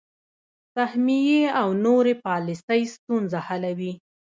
سهمیې او نورې پالیسۍ ستونزه حلوي.